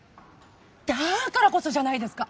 だからこそじゃないですか。